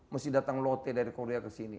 mesti datang lote dari korea ke sini